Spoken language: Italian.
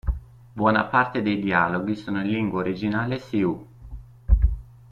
Buona parte dei dialoghi sono in lingua originale Sioux.